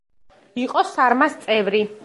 იყო „სარმას“ წევრი.